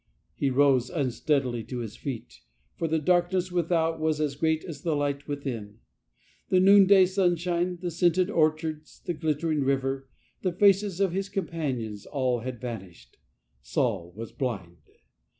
He rose unsteadily to his feet, for the dark ness without was as great as the light within. The noonday sunshine, the scented orchards, the glittering river, th^. faces of his com panions, aU had vanished; Saul was blind.